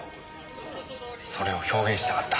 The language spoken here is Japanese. それを表現したかった。